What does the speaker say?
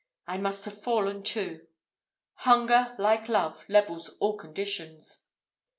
I must have fallen to. Hunger, like love, levels all conditions."